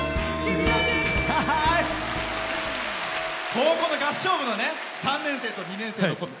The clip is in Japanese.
高校の合唱部の３年生と２年生のコンビ。